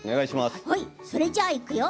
それじゃあ、いくよ！